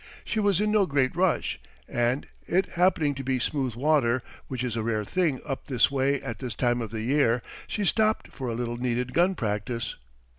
She was in no great rush, and, it happening to be smooth water, which is a rare thing up this way at this time of the year, she stopped for a little needed gun practice.